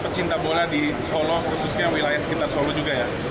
pecinta bola di solo khususnya wilayah sekitar solo juga ya